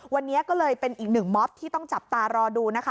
วันนี้ก็เลยเป็นอีกหนึ่งม็อบที่ต้องจับตารอดูนะคะ